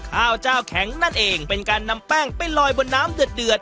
ข้าวเจ้าแข็งนั่นเองเป็นการนำแป้งไปลอยบนน้ำเดือด